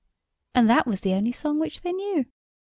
And that was the only song which they knew.